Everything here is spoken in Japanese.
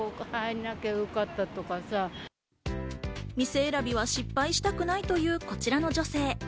店選びは失敗したくないというこちらの女性。